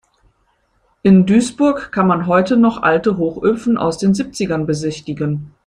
In Duisburg kann man heute noch alte Hochöfen aus den Siebzigern besichtigen.